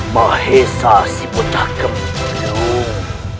mahesa si pecah kemurung